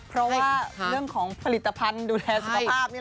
เพราะว่าเรื่องของผลิตภัณฑ์ดูแลสุขภาพ